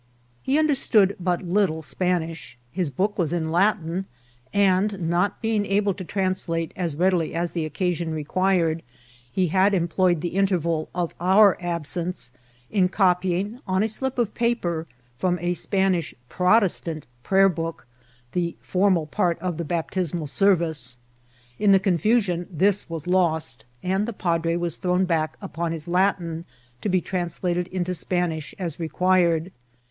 He understood but little Spanish ; his book was in Latin ; and not being able to translate as readily as the occasion required, he had employed the interval of our absence in copying on a slip of pa per, from a Spanish Protestant prayer book, the formal part of the baptismal service. In the confusion this was lost, and the padre was thrown back upon his Lat« in, to be translated into Spanish as required.